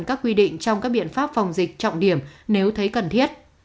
các quy định trong các biện pháp phòng dịch trọng điểm nếu thấy cần thiết